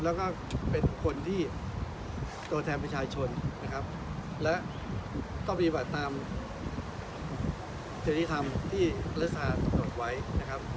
แล้วก็เป็นคนที่โตแทนเป็นชายชนนะครับและก็บีบัตรตามเจริยธรรมที่รัศธรรมตกไว้นะครับ